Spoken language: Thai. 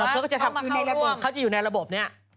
เขาก็จะทำเขาจะอยู่ในระบบนี้